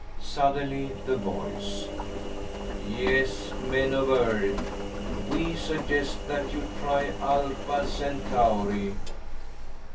Suddenly, the voice: "Yes, Men of Earth, we suggest that you try Alpha Centauri."